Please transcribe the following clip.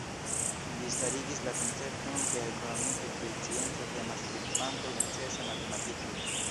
Li starigis la koncepton ke ekonomiko kiel scienco temas pri kvantoj necese matematikaj.